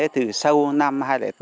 từ sau năm hai nghìn bốn